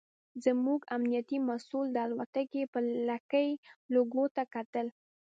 زموږ امنیتي مسوول د الوتکې پر لکۍ لوګو ته کتل.